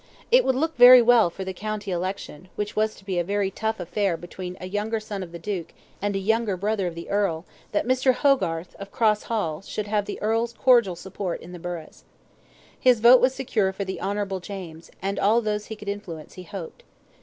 It would look very well for the county election, which was to be a very tough affair between a younger son of the duke and a younger brother of the earl, that Mr. Hogarth, of Cross Hall, should have the earl's cordial support in the burghs. His vote was secure for the Honourable James, and all those he could influence, he hoped.